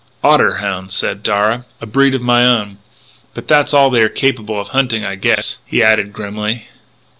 "Otter hounds," said Darragh, " a breed of my own.... But that's all they are capable of hunting, I guess," he added grimly.